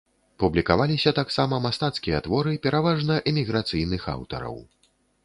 Публікаваліся таксама мастацкія творы, пераважна эміграцыйных аўтараў.